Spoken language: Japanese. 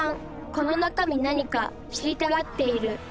この中み何か知りたがっている。